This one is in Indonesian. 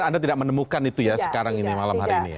anda tidak menemukan itu ya sekarang ini malam hari ini ya